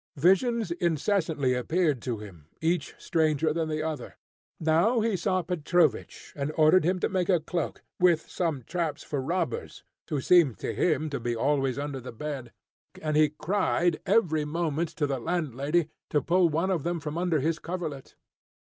Visions incessantly appeared to him, each stranger than the other. Now he saw Petrovich, and ordered him to make a cloak, with some traps for robbers, who seemed to him to be always under the bed; and he cried every moment to the landlady to pull one of them from under his coverlet.